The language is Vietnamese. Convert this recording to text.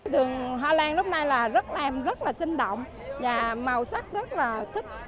đường hoa lan lúc này rất là xinh động màu sắc rất là thích